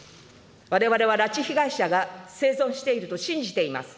われわれは拉致被害者が生存していると信じています。